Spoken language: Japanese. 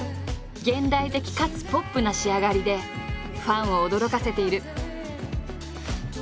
現代的かつポップな仕上がりでファンを驚かせている。